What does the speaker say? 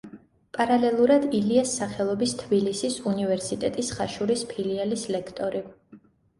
პარალელურად ილიას სახელობის თბილისის უნივერსიტეტის ხაშურის ფილიალის ლექტორი.